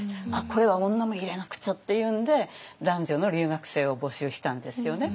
これは女も入れなくちゃっていうんで男女の留学生を募集したんですよね。